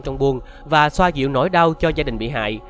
những người dân trong buôn và xoa dịu nỗi đau cho gia đình bị hại